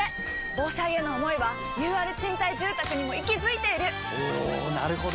防災への想いはＵＲ賃貸住宅にも息づいているおなるほど！